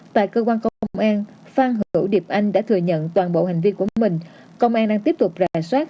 tại cơ quan công an phan hữu điệp anh đã thừa nhận toàn bộ hành vi của mình công an đang tiếp tục rà soát